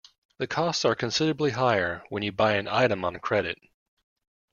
The costs are considerably higher when you buy an item on credit.